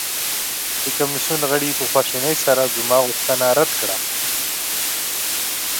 د کمیسیون غړي په خواشینۍ سره زما غوښتنه رد کړه.